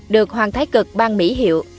được hoàng thái cực ban mỹ hiệu